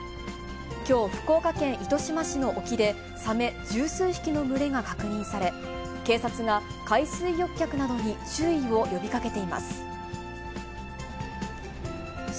きょう、福岡県糸島市の沖で、サメ十数匹の群れが確認され、警察が海水浴客などに注意を呼びかけています。